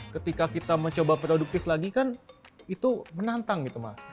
ketika kita mencoba produktif lagi kan itu menantang gitu mas